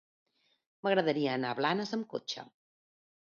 M'agradaria anar a Blanes amb cotxe.